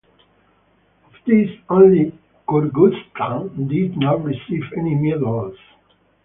Of these, only Kyrgyzstan did not receive any medals.